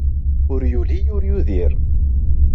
Ur yuli, ur yudir.